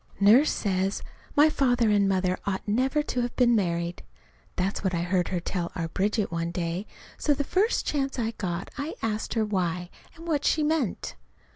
Nurse says my father and mother ought never to have been married. That's what I heard her tell our Bridget one day. So the first chance I got I asked her why, and what she meant.